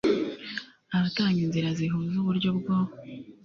abatanga inzira zihuza uburyo bwo